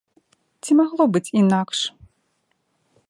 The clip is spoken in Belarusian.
Ці магло быць інакш?